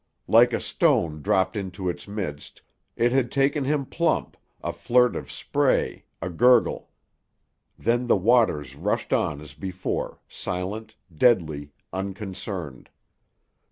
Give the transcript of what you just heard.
Like a stone dropped into its midst, it had taken him plump—a flirt of spray, a gurgle. Then the waters rushed on as before, silent, deadly, unconcerned.